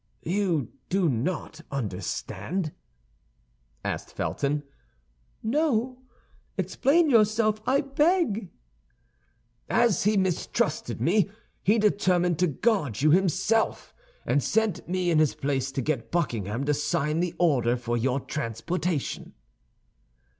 "You do not understand?" asked Felton. "No; explain yourself, I beg." "As he mistrusted me, he determined to guard you himself, and sent me in his place to get Buckingham to sign the order for your transportation."